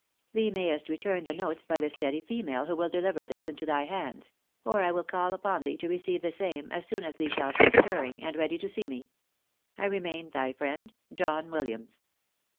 Thee may est return the notes by the steady female who win deUver this into thy hands ; or I will call upon thee to receive the same, as soon as thee shalt be stirring, and ready to see me. " I remain thy friend, " John Williams."